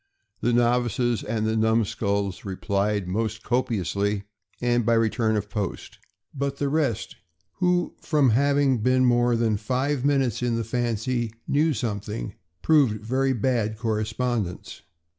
The novices and the numskulls replied most copiously, and by return of post; but the rest, who, from having been more than five minutes in the fancy, knew something, proved very bad correspondents.